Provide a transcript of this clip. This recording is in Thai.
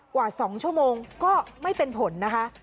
กว่า๒ชั่วโมงก็ไม่เป็นผลนะคะ